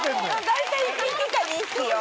大体１匹か２匹よ。